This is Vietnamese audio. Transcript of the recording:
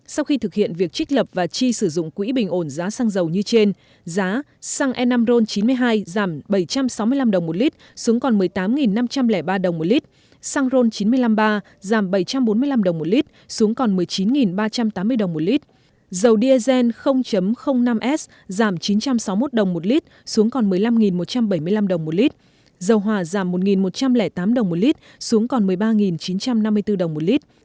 sau khi thực hiện việc trích lập và chi sử dụng quỹ bình ổn giá xăng dầu như trên giá xăng e năm ron chín mươi hai giảm bảy trăm sáu mươi năm đồng một lít xuống còn một mươi tám năm trăm linh ba đồng một lít xăng ron chín mươi năm a giảm bảy trăm bốn mươi năm đồng một lít xuống còn một mươi chín ba trăm tám mươi đồng một lít dầu diesel năm s giảm chín trăm sáu mươi một đồng một lít xuống còn một mươi năm một trăm bảy mươi năm đồng một lít dầu hỏa giảm một một trăm linh tám đồng một lít xuống còn một mươi ba chín trăm năm mươi bốn đồng một lít